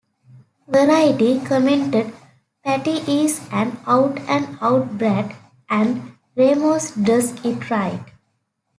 "Variety" commented: "Patty is an out-and-out brat, and Ramos does it right.